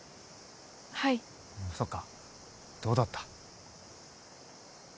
はいそっかどうだった？